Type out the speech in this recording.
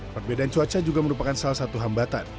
perbedaan cuaca juga merupakan salah satu hambatan